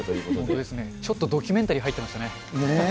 本当ですね、ちょっとドキュメンタリー入ってましたね。ねぇ。